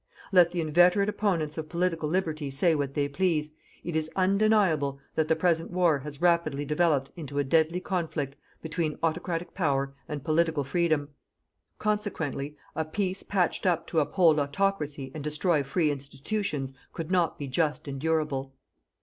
Let the inveterate opponents of Political Liberty say what they please, it is undeniable that the present war has rapidly developed into a deadly conflict between Autocratic Power and Political Freedom. Consequently a peace patched up to uphold Autocracy and destroy free institutions could not be JUST and DURABLE.